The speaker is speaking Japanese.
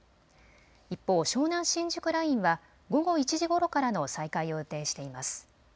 一方、湘南新宿ラインは午後１時ごろからの再開を予定しています。